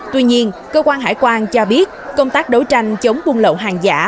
tuy nhiên cơ quan hải quan cho biết công tác đấu tranh chống buôn lậu hàng giả